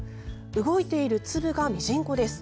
動いている粒がミジンコです。